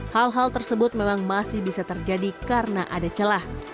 hal hal tersebut memang masih bisa terjadi karena ada celah